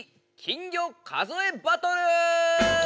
金魚数えバトル！」。